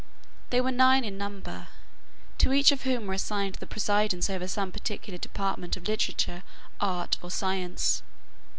They were nine in number, to each of whom was assigned the presidence over some particular department of literature, art, or science.